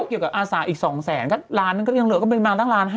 ที่เกี่ยวกับอาสาอีก๒แสนก็๑๓ล้านอีกตั้ง๑๕ล้าน